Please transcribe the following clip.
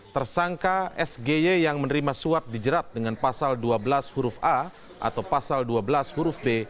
tersangka sgy yang menerima suap dijerat dengan pasal dua belas huruf a atau pasal dua belas huruf b